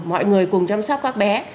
mọi người cùng chăm sóc các bé